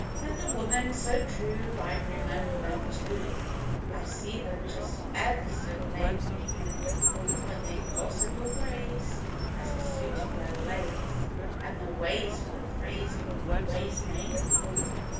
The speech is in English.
Then the women, so true, I remember them too; I see them just ever so plainly. When they'd gossip or praise (as it suited their ways) And their ways were the praising ways mainly.